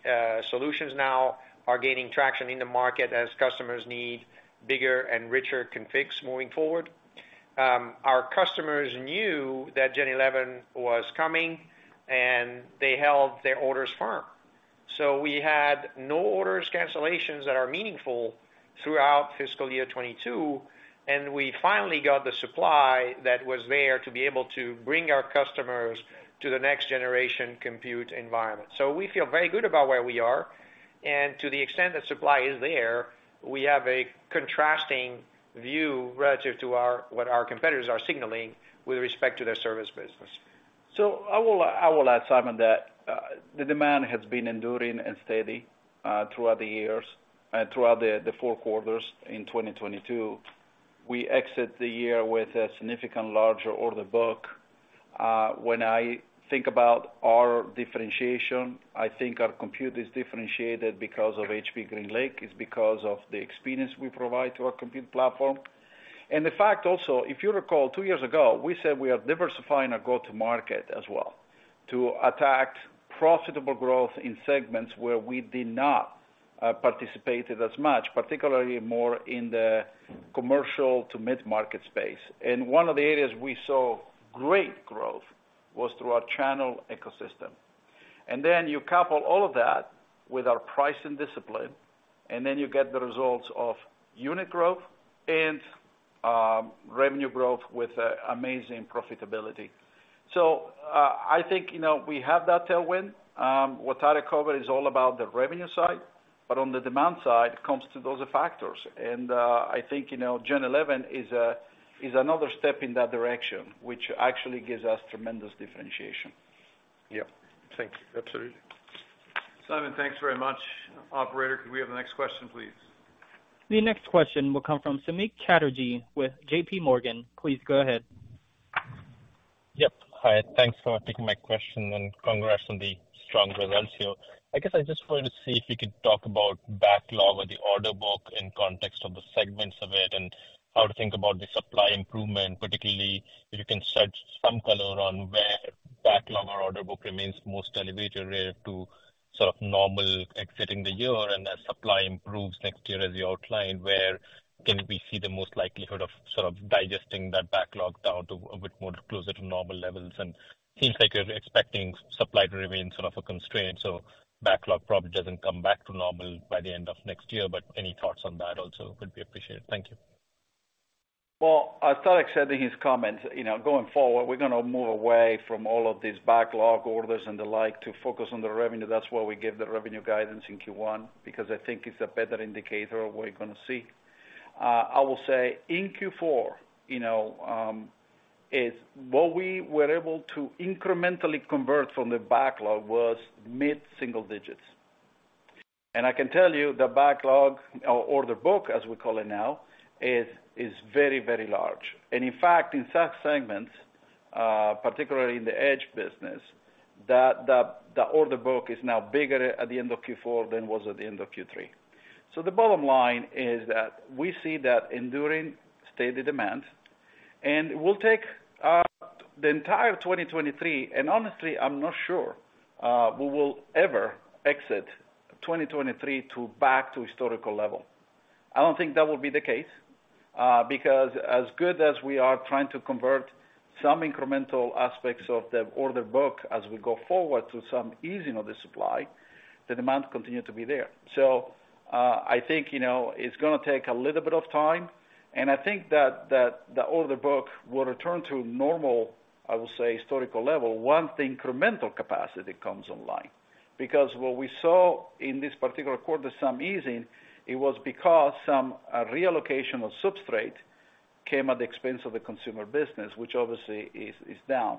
solutions now, are gaining traction in the market as customers need bigger and richer configs moving forward. Our customers knew that Gen11 was coming, and they held their orders firm. We had no orders cancellations that are meaningful throughout fiscal year 22, and we finally got the supply that was there to be able to bring our customers to the next generation compute environment. We feel very good about where we are. To the extent that supply is there, we have a contrasting view relative to what our competitors are signaling with respect to their service business. I will, I will add, Simon, that the demand has been enduring and steady throughout the years and throughout the four quarters in 2022. We exit the year with a significant larger order book. When I think about our differentiation, I think our compute is differentiated because of HPE GreenLake. It's because of the experience we provide to our compute platform. The fact also, if you recall, 2 years ago, we said we are diversifying our go-to-market as well to attack profitable growth in segments where we did not participate as much, particularly more in the commercial to mid-market space. One of the areas we saw great growth was through our channel ecosystem. You couple all of that with our pricing discipline, and then you get the results of unit growth and revenue growth with amazing profitability. I think, you know, we have that tailwind. What Tarek covered is all about the revenue side. On the demand side, it comes to those factors. I think, you know, Gen11 is another step in that direction, which actually gives us tremendous differentiation. Yeah. Thank you. Absolutely. Simon, thanks very much. Operator, could we have the next question, please? The next question will come from Samik Chatterjee with JPMorgan. Please go ahead. Yep. Hi, thanks for taking my question and congrats on the strong results here. I guess I just wanted to see if you could talk about backlog or the order book in context of the segments of it and how to think about the supply improvement, particularly if you can shed some color on where backlog or order book remains most elevated relative to sort of normal exiting the year and as supply improves next year as you outlined, where can we see the most likelihood of sort of digesting that backlog down to a bit more closer to normal levels? Seems like you're expecting supply to remain sort of a constraint, so backlog probably doesn't come back to normal by the end of next year, but any thoughts on that also would be appreciated. Thank you. Well, as Tarek said in his comments, you know, going forward, we're gonna move away from all of these backlog orders and the like to focus on the revenue. That's why we give the revenue guidance in Q1, because I think it's a better indicator of what you're gonna see. I will say in Q4, you know, is what we were able to incrementally convert from the backlog was mid-single digits. I can tell you the backlog or order book, as we call it now, is very, very large. In fact, in some segments, particularly in the Edge business. The order book is now bigger at the end of Q4 than it was at the end of Q3. The bottom line is that we see that enduring steady demand, and it will take the entire 2023, and honestly, I'm not sure we will ever exit 2023 to back to historical level. I don't think that will be the case, because as good as we are trying to convert some incremental aspects of the order book as we go forward to some easing of the supply, the demand continue to be there. I think, you know, it's gonna take a little bit of time, and I think that the order book will return to normal, I will say, historical level once the incremental capacity comes online. What we saw in this particular quarter, some easing, it was because some reallocation of substrate came at the expense of the consumer business, which obviously is down.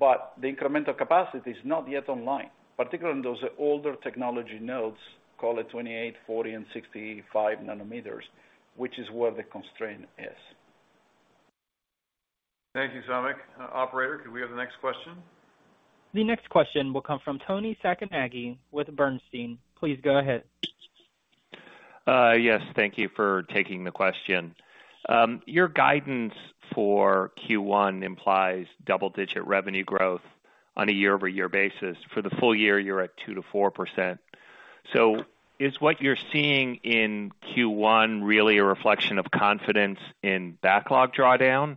The incremental capacity is not yet online, particularly in those older technology nodes, call it 28, 40, and 65 nanometers, which is where the constraint is. Thank you, Samik. Operator, could we have the next question? The next question will come from Toni Sacconaghi with Bernstein. Please go ahead. Yes, thank you for taking the question. Your guidance for Q1 implies double-digit revenue growth on a year-over-year basis. For the full year, you're at 2%-4%. Is what you're seeing in Q1 really a reflection of confidence in backlog drawdown?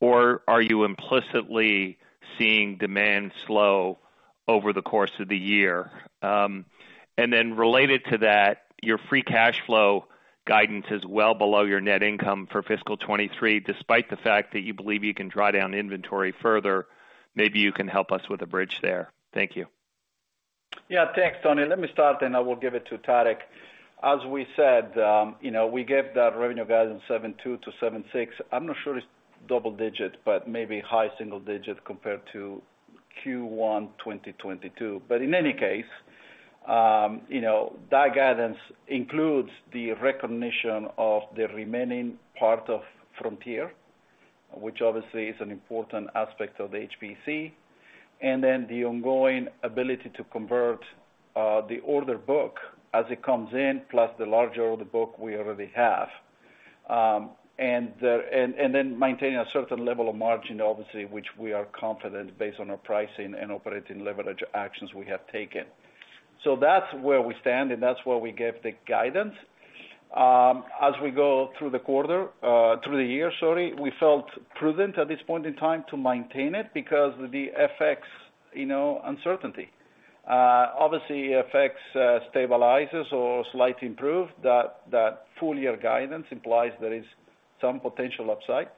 Or are you implicitly seeing demand slow over the course of the year? Related to that, your free cash flow guidance is well below your net income for fiscal 23, despite the fact that you believe you can draw down inventory further. Maybe you can help us with a bridge there. Thank you. Yeah, thanks, Toni. Let me start. I will give it to Tarek. As we said, you know, we gave that revenue guidance 7.2% to 7.6%. I'm not sure it's double-digit, but maybe high single-digit compared to Q1 2022. In any case, you know, that guidance includes the recognition of the remaining part of Frontier, which obviously is an important aspect of HPC, and then the ongoing ability to convert the order book as it comes in, plus the larger order book we already have. Maintaining a certain level of margin, obviously, which we are confident based on our pricing and operating leverage actions we have taken. That's where we stand, and that's where we gave the guidance. As we go through the quarter, through the year, sorry, we felt prudent at this point in time to maintain it because the FX, you know, uncertainty. Obviously, FX stabilizes or slightly improve that full year guidance implies there is some potential upside.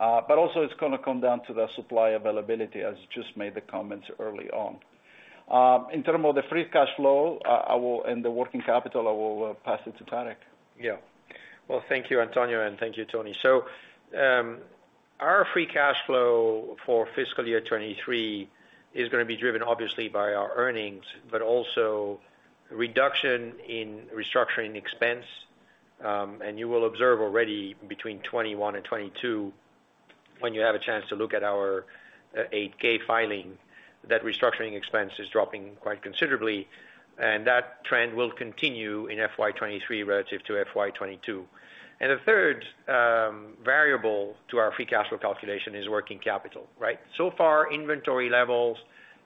Also, it's gonna come down to the supply availability, as I just made the comments early on. In terms of the free cash flow, and the working capital, I will pass it to Tarek. Well, thank you, Antonio, and thank you, Tony. Our free cash flow for fiscal year 2023 is gonna be driven obviously by our earnings, but also reduction in restructuring expense. You will observe already between 2021 and 2022, when you have a chance to look at our 8-K filing, that restructuring expense is dropping quite considerably, and that trend will continue in FY 2023 relative to FY 2022. The third variable to our free cash flow calculation is working capital, right? So far, inventory levels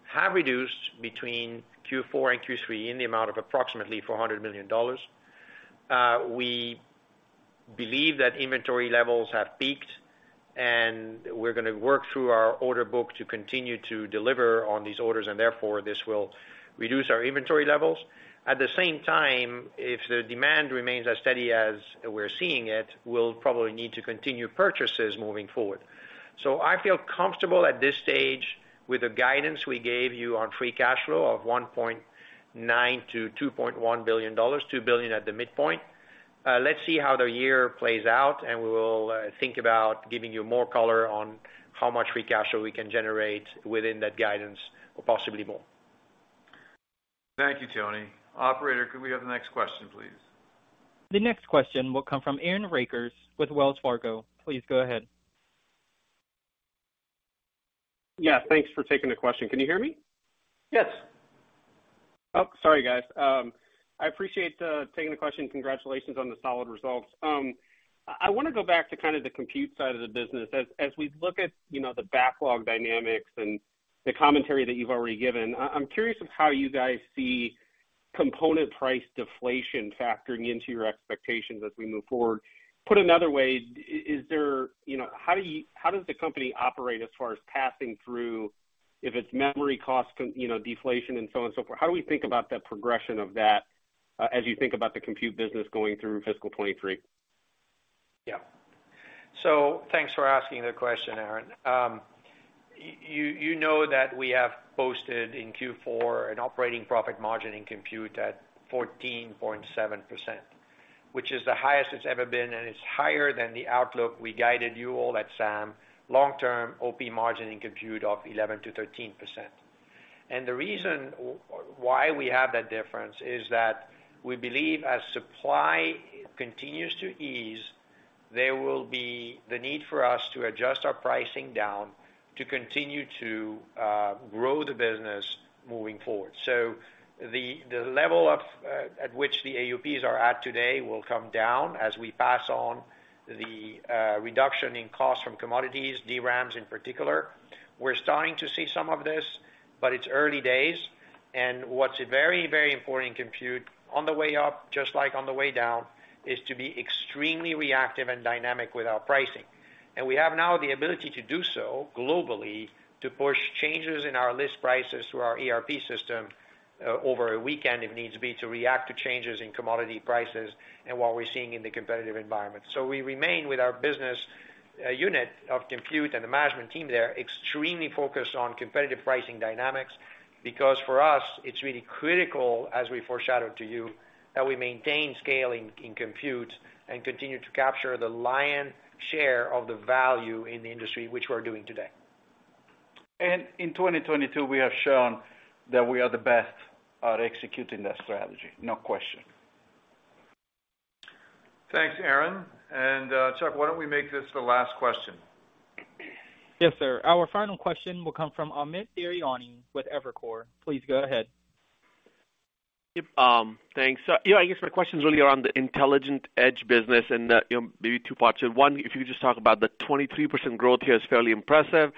have reduced between Q4 and Q3 in the amount of approximately $400 million. We believe that inventory levels have peaked, we're gonna work through our order book to continue to deliver on these orders, therefore, this will reduce our inventory levels. At the same time, if the demand remains as steady as we're seeing it, we'll probably need to continue purchases moving forward. I feel comfortable at this stage with the guidance we gave you on free cash flow of $1.9 billion-$2.1 billion, $2 billion at the midpoint. Let's see how the year plays out, and we will think about giving you more color on how much free cash flow we can generate within that guidance, or possibly more. Thank you, Toni. Operator, could we have the next question, please? The next question will come from Aaron Rakers with Wells Fargo. Please go ahead. Yeah, thanks for taking the question. Can you hear me? Yes. Sorry, guys. I appreciate taking the question. Congratulations on the solid results. I wanna go back to kind of the compute side of the business. As we look at, you know, the backlog dynamics and the commentary that you've already given, I'm curious of how you guys see component price deflation factoring into your expectations as we move forward. Put another way, is there, you know, how does the company operate as far as passing through if its memory costs can, you know, deflation and so on and so forth? How do we think about the progression of that as you think about the compute business going through fiscal 2023? Yeah. Thanks for asking the question, Aaron. you know that we have posted in Q4 an operating profit margin in compute at 14.7%, which is the highest it's ever been, and it's higher than the outlook we guided you all at SAM, long-term OP margin in compute of 11%-13%. The reason why we have that difference is that we believe as supply continues to ease. There will be the need for us to adjust our pricing down to continue to grow the business moving forward. The level at which the AUPs are at today will come down as we pass on the reduction in costs from commodities, DRAMs in particular. We're starting to see some of this, but it's early days. What's very, very important in Compute on the way up, just like on the way down, is to be extremely reactive and dynamic with our pricing. We have now the ability to do so globally to push changes in our list prices through our ERP system, over a weekend if needs be, to react to changes in commodity prices and what we're seeing in the competitive environment. We remain with our business, unit of Compute and the management team there, extremely focused on competitive pricing dynamics, because for us, it's really critical, as we foreshadowed to you, that we maintain scaling in Compute and continue to capture the lion share of the value in the industry, which we're doing today. In 2022, we have shown that we are the best at executing that strategy, no question. Thanks, Aaron. Chuck, why don't we make this the last question? Yes, sir. Our final question will come from Amit Daryanani with Evercore. Please go ahead. Yep, thanks. Yeah, I guess my question is really around the Intelligent Edge business and, you know, maybe two parts. One, if you could just talk about the 23% growth here is fairly impressive.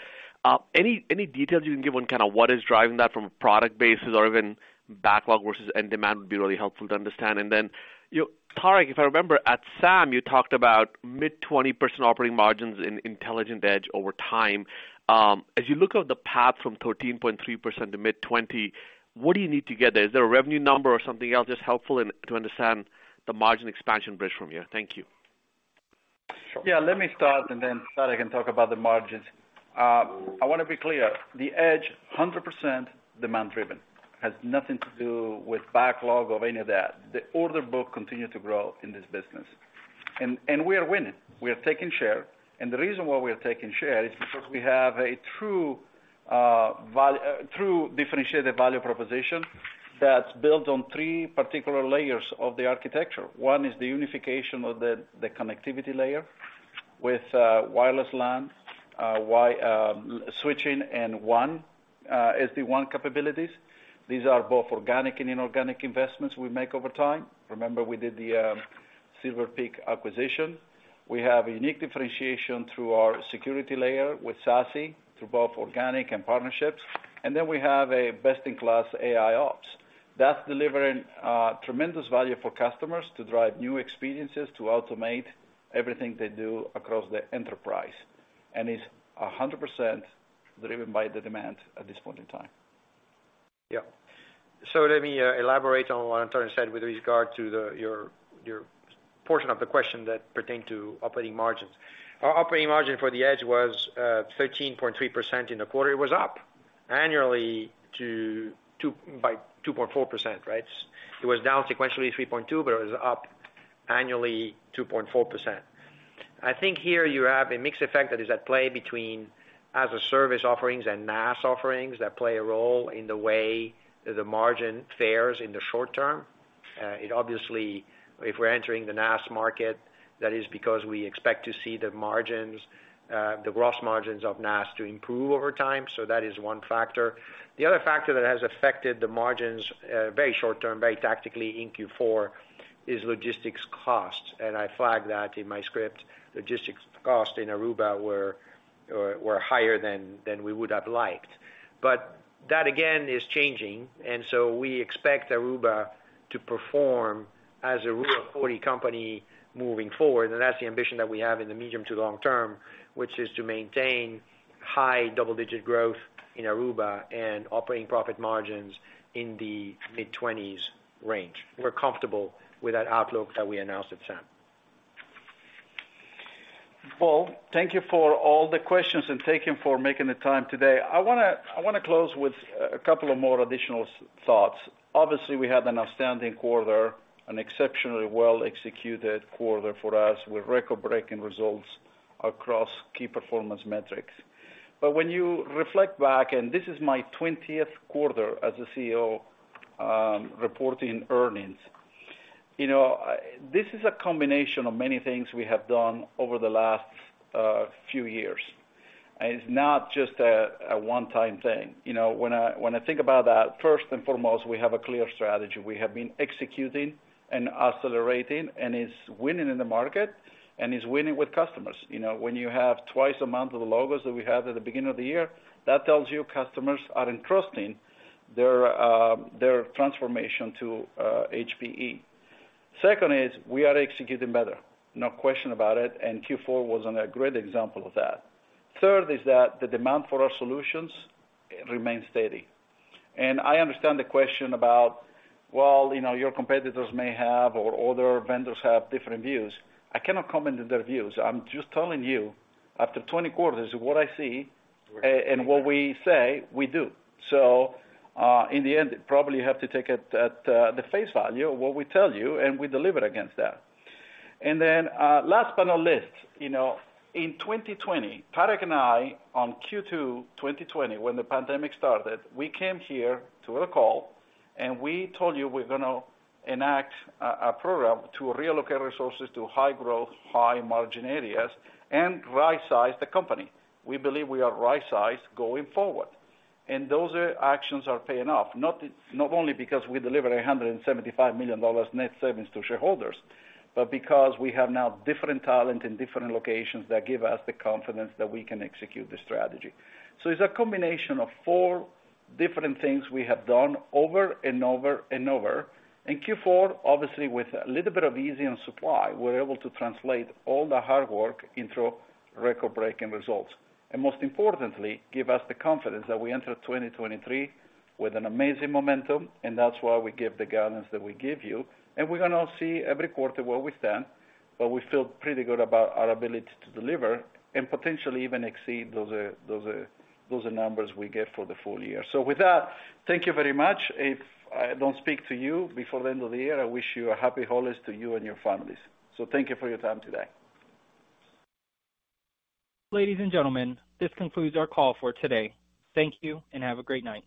Any details you can give on kinda what is driving that from a product basis or even backlog versus end demand would be really helpful to understand. You know, Tarek, if I remember at SAM, you talked about mid 20% operating margins in Intelligent Edge over time. As you look out the path from 13.3% to mid 20, what do you need to get there? Is there a revenue number or something else that's helpful in to understand the margin expansion bridge from here? Thank you. Yeah, let me start and then Tarek can talk about the margins. I wanna be clear. The Edge, 100% demand driven. Has nothing to do with backlog of any of that. The order book continue to grow in this business. We are winning. We are taking share. The reason why we are taking share is because we have a true differentiated value proposition that's built on three particular layers of the architecture. One is the unification of the connectivity layer with wireless LAN, switching and WAN, SD-WAN capabilities. These are both organic and inorganic investments we make over time. Remember, we did the Silver Peak acquisition. We have a unique differentiation through our security layer with SASE, through both organic and partnerships. Then we have a best-in-class AIOps. That's delivering tremendous value for customers to drive new experiences, to automate everything they do across the enterprise, and it's 100% driven by the demand at this point in time. Let me elaborate on what Tarek said with regard to your portion of the question that pertained to operating margins. Our operating margin for the Edge was 13.3% in the quarter. It was up annually by 2.4%, right? It was down sequentially 3.2%, it was up annually 2.4%. I think here you have a mixed effect that is at play between as-a-service offerings and NAS offerings that play a role in the way the margin fares in the short term. It obviously, if we're entering the NAS market, that is because we expect to see the margins, the gross margins of NAS to improve over time. That is one factor. The other factor that has affected the margins, very short term, very tactically in Q4 is logistics costs. I flagged that in my script. Logistics cost in Aruba were higher than we would have liked. That again is changing, so we expect Aruba to perform as Aruba 40 company moving forward. That's the ambition that we have in the medium to long term, which is to maintain high double-digit growth in Aruba and operating profit margins in the mid-20s range. We're comfortable with that outlook that we announced at SAM. Paul, thank you for all the questions and thank you for making the time today. I wanna close with a couple of more additional thoughts. Obviously, we had an outstanding quarter, an exceptionally well-executed quarter for us, with record-breaking results across key performance metrics. When you reflect back, and this is my 20th quarter as a CEO, reporting earnings, you know, this is a combination of many things we have done over the last few years. It's not just a one-time thing. You know, when I think about that, first and foremost, we have a clear strategy. We have been executing and accelerating, and it's winning in the market, and it's winning with customers. You know, when you have 2x the amount of logos that we had at the beginning of the year, that tells you customers are entrusting their transformation to HPE. Second is, we are executing better, no question about it, and Q4 was a great example of that. Third is that the demand for our solutions remains steady. I understand the question about, well, you know, your competitors may have, or other vendors have different views. I cannot comment on their views. I'm just telling you after 20 quarters of what I see and what we say we do. In the end, probably you have to take it at the face value of what we tell you, and we deliver against that. Last but not least, you know, in 2020, Tarek and I on Q2 2020, when the pandemic started, we came here to a call and we told you we're gonna enact a program to reallocate resources to high growth, high margin areas and right-size the company. We believe we are right-sized going forward. Those actions are paying off, not only because we delivered $175 million net savings to shareholders, but because we have now different talent in different locations that give us the confidence that we can execute the strategy. It's a combination of four different things we have done over and over and over. In Q4, obviously with a little bit of ease in supply, we're able to translate all the hard work into record-breaking results, and most importantly, give us the confidence that we enter 2023 with an amazing momentum, and that's why we give the guidance that we give you. We're gonna see every quarter where we stand, but we feel pretty good about our ability to deliver and potentially even exceed those, those numbers we get for the full year. With that, thank you very much. If I don't speak to you before the end of the year, I wish you a happy holidays to you and your families. Thank you for your time today. Ladies and gentlemen, this concludes our call for today. Thank you and have a great night.